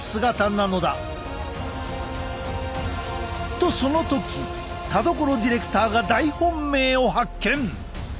とその時田所ディレクターが大本命を発見！